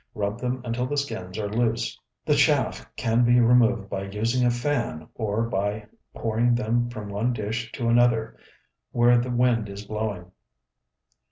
Rub them until the skins are loose. The chaff can be removed by using a fan or by pouring them from one dish to another where the wind is blowing.